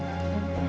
ya pak adrian